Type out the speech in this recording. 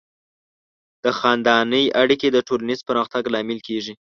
د خاندنۍ اړیکې د ټولنیز پرمختګ لامل کیږي.